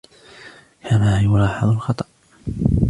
كيف يلاحَظ الخطأ ؟